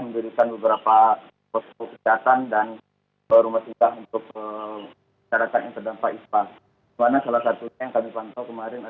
dan berapa jumlahnya